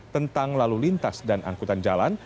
tentang lalu lintas dan angkutan jalan